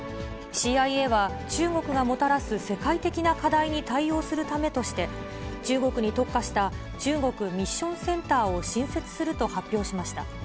ＣＩＡは、中国がもたらす世界的な課題に対応するためとして、中国に特化した中国ミッションセンターを新設すると発表しました。